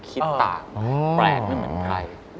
คิดต่างแปลกไม่เหมือนใคร